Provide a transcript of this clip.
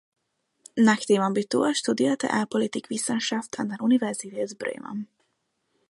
Nach dem Abitur studierte er Politikwissenschaft an der Universität Bremen.